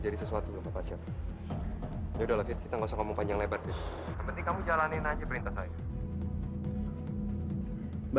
jadi sesuatu taksi satu sudah kita nggak mau panjang lebat itu berarti kamu jalanin aja berada di kota